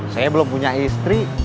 saya belum punya istri